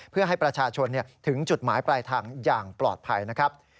เพื่อให้ประชาชนถึงจุดหมายปลายทางอย่างปลอดภัยนะครับ